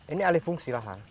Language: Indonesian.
ini alih fungsi lahan